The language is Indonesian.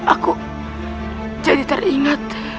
aku jadi teringat